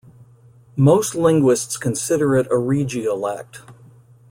Most linguists consider it a regiolect.